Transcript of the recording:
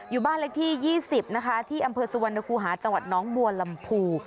อยู่บ้านเลขที่๒๐นะคะที่อำเภอสุวรรณคูหาจังหวัดน้องบัวลำพู